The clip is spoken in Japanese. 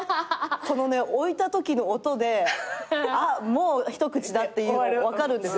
この置いたときの音であっもう一口だっていうの分かるんですよ。